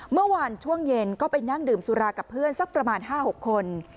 เมื่อวานช่วงเย็นก็ไปนั่งดื่มสุรากับเพื่อนสักประมาณ๕๖คน